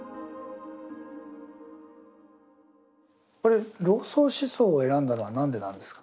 これ老荘思想を選んだのは何でなんですか？